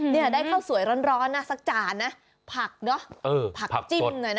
เนี่ยได้ข้าวสวยร้อนนะสักจานนะผักเนอะผักจิ้มหน่อยนะ